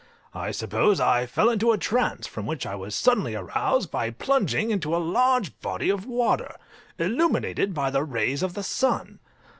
I suppose I fell into a trance, from which I was suddenly aroused by plunging into a large body of water illuminated by the rays of the sun!!